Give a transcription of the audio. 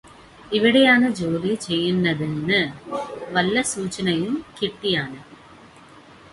ഇവിടെയാണ് ജോലി ചെയ്യുന്നതെന്ന് വല്ല സൂചനയും കിട്ടിയാൽ